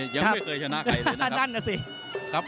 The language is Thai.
ยังไม่เคยชนะใครเลยนะครับ